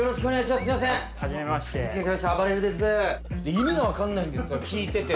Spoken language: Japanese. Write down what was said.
意味が分かんないんですよ聞いてて。